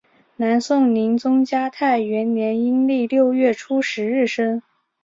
南宋宁宗嘉泰元年阴历六月初十日生。